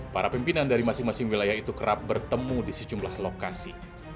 para pimpinan dari masing masing wilayah itu kerap bertemu di sejumlah lokasi